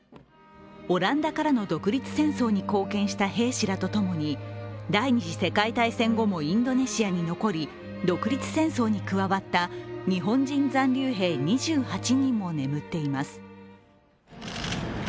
オランダからの独立戦争に貢献した兵士らとともに第二次世界大戦後もインドネシアに残り、独立戦争に加わった日本人残留兵２８人も眠っています。